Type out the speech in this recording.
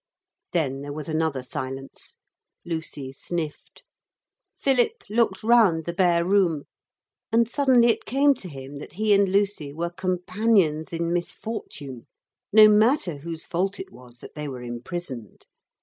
Then there was another silence. Lucy sniffed. Philip looked round the bare room, and suddenly it came to him that he and Lucy were companions in misfortune, no matter whose fault it was that they were imprisoned.